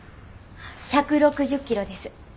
１６０キロです。